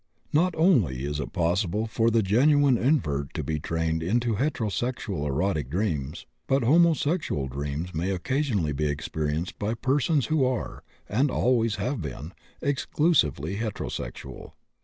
Not only is it possible for the genuine invert to be trained into heterosexual erotic dreams, but homosexual dreams may occasionally be experienced by persons who are, and always have been, exclusively heterosexual.